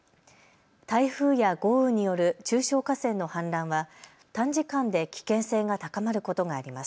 台風や豪雨による中小河川の氾濫は短時間で危険性が高まることがあります。